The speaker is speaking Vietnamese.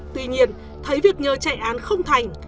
tuy nhiên thấy việc nhờ chạy án không thành